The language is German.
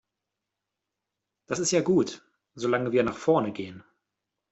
Das ist ja gut, solange wir nach vorne gehen.